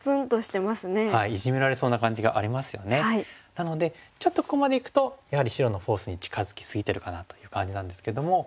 なのでちょっとここまでいくとやはり白のフォースに近づき過ぎてるかなという感じなんですけども。